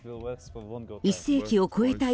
１世紀を超えた